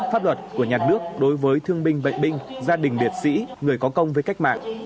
pháp luật của nhà nước đối với thương minh bệnh minh gia đình việt sĩ người có công với cách mạng